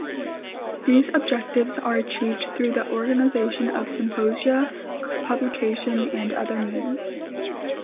These objectives are achieved through the organization of symposia, publication, and other means.